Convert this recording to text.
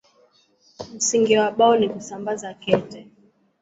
Msingi wa Bao ni kusambaza kete.